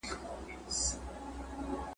هغې وویل: زه غواړم ډاکټره سم.